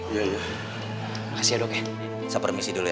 ya ya hasilnya saya permisi dulu ya